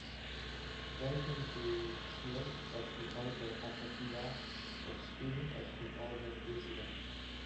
They can be smooth, as in order Asaphida, or spiny, as in order Lichida.